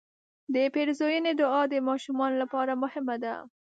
د پیرزوینې دعا د ماشومانو لپاره مهمه ده.